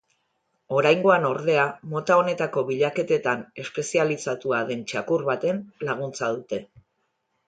Oraingoan, ordea, mota honetako bilaketetan espezializatua den txakur baten laguntza dute.